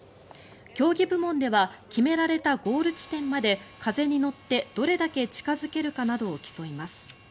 競技部門では決められたゴール地点まで風に乗ってどれだけ近付けるかなどを競います。